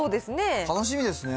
楽しみですね。